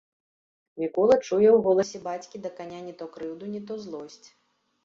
Мікола чуе ў голасе бацькі да каня не то крыўду, не то злосць.